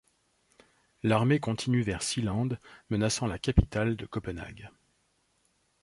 L'armée continue vers Seeland, menaçant la capitale de Copenhague.